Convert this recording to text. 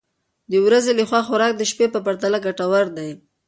د ورځې لخوا خوراک د شپې په پرتله ګټور دی.